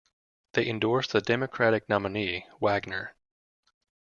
They endorsed the Democratic nominee Wagner.